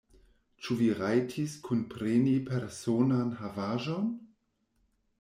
Ĉu vi rajtis kunpreni personan havaĵon?